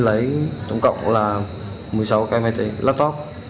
lấy tổng cộng là một mươi sáu k mê tính laptop